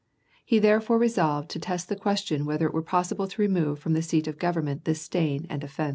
He therefore resolved to test the question whether it were possible to remove from the seat of government this stain and offense.